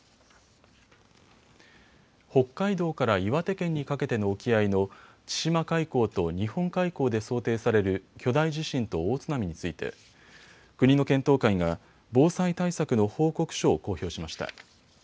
北海道から岩手県にかけての沖合の千島海溝と日本海溝で想定される巨大地震と大津波について国の検討会が防災対策の報告書を公表しました。